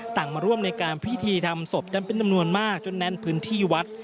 มาร่วมในการพิธีทำศพกันเป็นจำนวนมากจนแน่นพื้นที่วัด